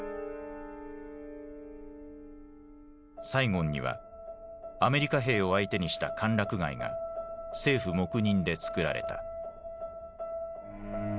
サイゴンにはアメリカ兵を相手にした歓楽街が政府黙認でつくられた。